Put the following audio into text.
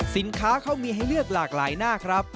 สินค้าเขามีให้เลือกหลากหลายหน้าครับ